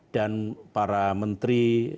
dan para menteri mentaati kode ini